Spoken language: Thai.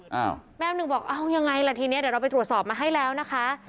แม่น้ำหนึ่งบอกเอ้ายังไงล่ะทีนี้เดี๋ยวเราไปตรวจสอบมาให้แล้วนะคะ